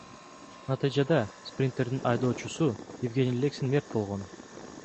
Натыйжада Спринтердин айдоочусу Евгений Лексин мерт болгон.